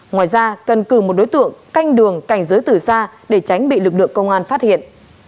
ngoài ra cần cử một đối tượng canh đường cảnh giới từ xa để tránh bị lực lượng công an phát hiện